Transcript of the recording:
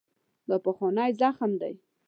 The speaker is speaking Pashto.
دا پخوانی زخم دی.